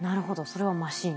それはマシン。